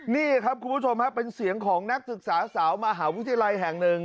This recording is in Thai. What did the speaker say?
นี่ครับคุณผู้ชมครับเป็นเสียงของนักศึกษาสาวมหาวิทยาลัยแห่งหนึ่ง